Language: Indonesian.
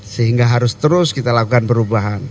sehingga harus terus kita lakukan perubahan